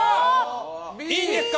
いいですか？